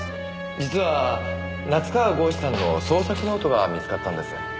実は夏河郷士さんの創作ノートが見つかったんです。